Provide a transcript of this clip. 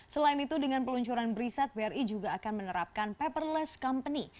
selain itu dengan peluncuran brisat bri juga akan menerapkan paperless company